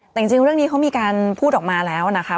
แต่จริงเรื่องนี้เขามีการพูดออกมาแล้วนะคะ